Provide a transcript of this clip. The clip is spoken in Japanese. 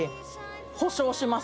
保証します